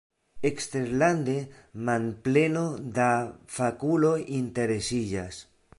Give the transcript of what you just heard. Eksterlande manpleno da fakuloj interesiĝas.